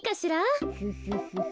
フフフフ。